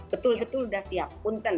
betul betul sudah siap